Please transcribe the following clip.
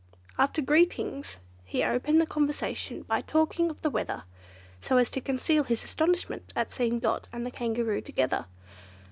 After greetings, he opened the conversation by talking of the weather, so as to conceal his astonishment at seeing Dot and the the Kangaroo together.